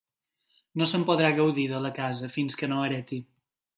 No se'n podrà gaudir, de la casa, fins que no hereti.